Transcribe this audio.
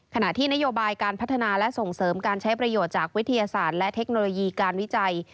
ขณะที่นโยบายการพัฒนาและส่งเสริมการใช้ประโยชน์จากวิทยาศาสตร์และเทคโนโลยีการวิจัย